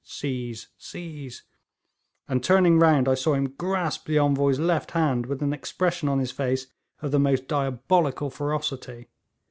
("Seize! seize!") and turning round I saw him grasp the Envoy's left hand with an expression on his face of the most diabolical ferocity.